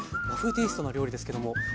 テイストな料理ですけども。